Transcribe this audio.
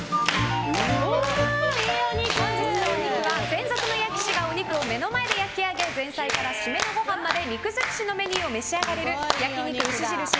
本日のお肉は、専属の焼き師がお肉を目の前で焼き上げ前菜から締めのごはんまで肉尽くしのメニューを召し上がれる焼肉牛印